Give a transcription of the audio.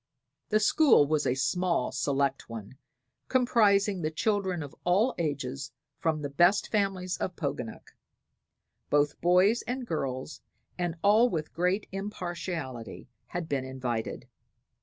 The school was a small, select one, comprising the children of all ages from the best families of Poganuc. Both boys and girls, and all with great impartiality, had been invited.